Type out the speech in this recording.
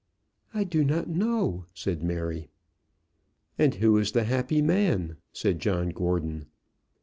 "I do not know," said Mary. "And who is the happy man?" said John Gordon.